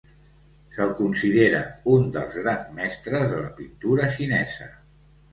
Se'l considera un dels grans mestres de la pintura xinesa.